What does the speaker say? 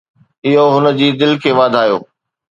اهو هن جي دل کي وڌايو.